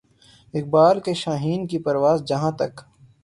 اقبال کے شاھین کی پرواز جہاں تک